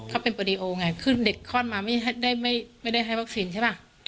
เขาเป็นโปรดิโอไงคือเด็กคลอดมาไม่ได้ให้วัคซีนใช่ป่ะ